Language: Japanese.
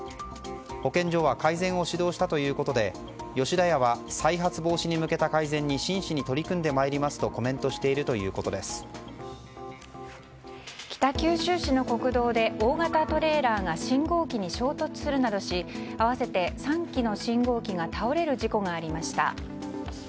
保健所は改善を指導したということで吉田屋は再発防止に向けた改善に真摯に取り組んでまいりますと北九州市の国道で大型トレーラーが信号機に衝突するなどし合わせて３機の信号機が倒れる事故がありました。